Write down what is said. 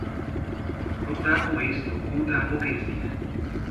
lutar com êxito contra a burguesia